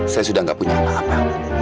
saya sudah tidak punya apa apa